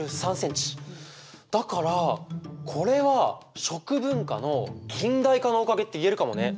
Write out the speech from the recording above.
だからこれは食文化の近代化のおかげって言えるかもね！